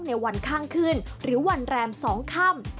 ในวันข้างขึ้นหรือวันแรม๒ค่ำ